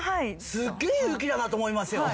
すっげぇ勇気だなと思いますよ。